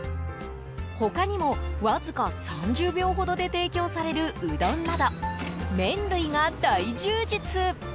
他にも、わずか３０秒ほどで提供されるうどんなど麺類が大充実。